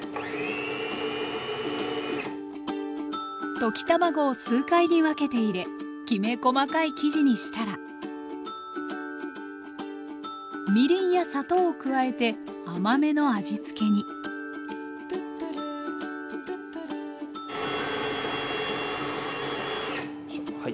溶き卵を数回に分けて入れきめ細かい生地にしたらみりんや砂糖を加えて甘めの味付けによいしょはい。